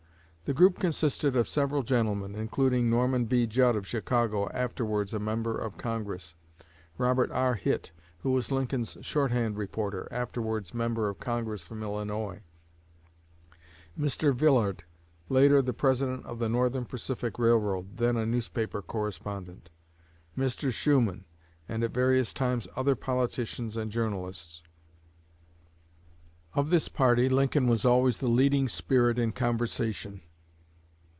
The group consisted of several gentlemen, including Norman B. Judd of Chicago, afterwards a member of Congress; Robert R. Hitt, who was Lincoln's shorthand reporter, afterwards member of Congress from Illinois; Mr. Villard, later the President of the Northern Pacific Railroad, then a newspaper correspondent; Mr. Shuman; and, at various times, other politicians and journalists. Of this party Lincoln was always the leading spirit in conversation.